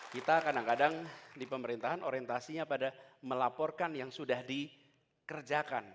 kita kadang kadang di pemerintahan orientasinya pada melaporkan yang sudah dikerjakan